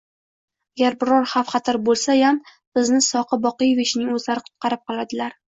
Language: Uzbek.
Agar biror xavf xatar bo`lsa-yam bizni Soqi Boqievichni o`zlari qutqarib qoladilar